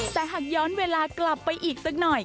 แต่หากย้อนเวลากลับไปอีกสักหน่อย